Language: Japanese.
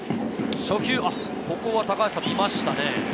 初球、ここは見ましたね。